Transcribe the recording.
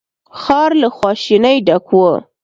ښار له خواشينۍ ډک و.